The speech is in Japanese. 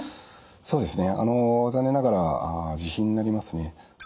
そうですね残念ながら自費になりますね。